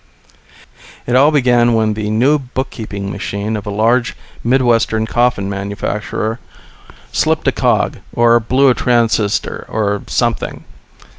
It all began when the new bookkeeping machine of a large Midwestern coffin manufacturer slipped a cog, or blew a transistor, or something.